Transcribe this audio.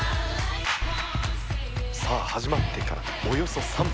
さあ始まってからおよそ３分。